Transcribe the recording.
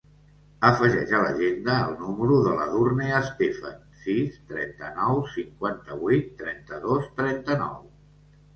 Afegeix a l'agenda el número de l'Edurne Stefan: sis, trenta-nou, cinquanta-vuit, trenta-dos, trenta-nou.